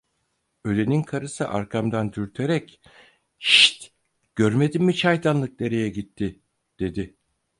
Ölenin karısı arkamdan dürterek: "Hişt, görmedin mi çaydanlık nereye gitti?" dedi.